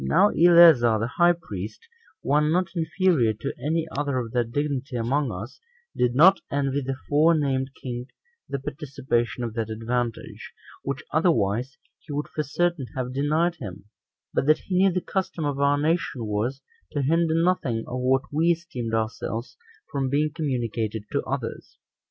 Now Eleazar the high priest, one not inferior to any other of that dignity among us, did not envy the forenamed king the participation of that advantage, which otherwise he would for certain have denied him, but that he knew the custom of our nation was, to hinder nothing of what we esteemed ourselves from being communicated to others.